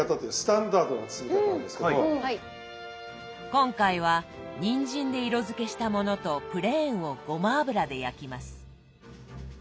今回はにんじんで色づけしたものとプレーンをごま油で焼きます。